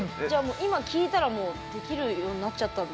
今、聴いたらできるようになっちゃったんだ。